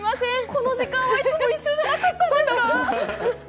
この時間はいつも一緒じゃなかったんですか？